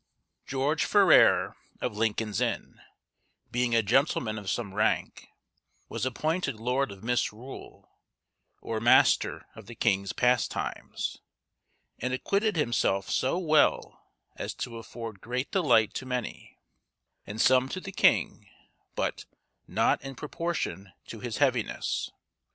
George Ferrers, of Lincoln's Inn, being a gentleman of some rank, was appointed lord of Misrule, or master of the king's pastimes, and acquitted himself so well as to afford great delight to many, and some to the king, but "not in proportion to his heaviness."